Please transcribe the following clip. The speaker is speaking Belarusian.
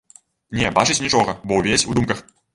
Не бачыць нічога, бо ўвесь у думках.